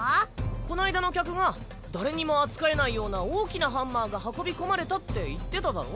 こないだの客が誰にも扱えないような大きなハンマーが運び込まれたって言ってただろ。